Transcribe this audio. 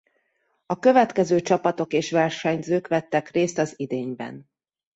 A következő csapatok és versenyzők vettek részt az idényben.